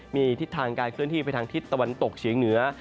มีทิศทางการเคลื่อนที่ไปทางทิศตะวันตกเฉียงเหนือ